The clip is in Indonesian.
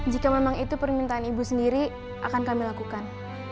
jika memang itu permintaan ibu sendiri akan kami lakukan